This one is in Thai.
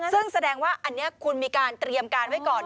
ซึ่งแสดงว่าอันนี้คุณมีการเตรียมการไว้ก่อน